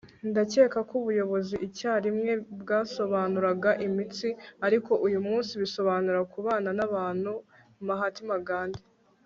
ndakeka ko ubuyobozi icyarimwe bwasobanuraga imitsi; ariko uyu munsi bisobanura kubana n'abantu. - mahatma gandhi